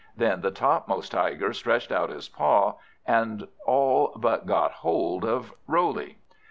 Then the topmost Tiger stretched out his paw, and all but got hold of Roley.